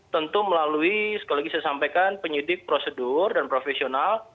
tentu melalui sekali lagi saya sampaikan penyidik prosedur dan profesional